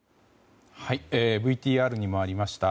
ＶＴＲにもありました